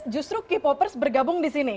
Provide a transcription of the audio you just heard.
justru k popers bergabung di sini